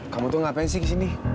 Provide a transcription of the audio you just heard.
kamu tuh ngapain sih di sini